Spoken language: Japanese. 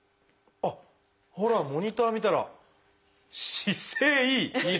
ほらモニター見たら姿勢いい！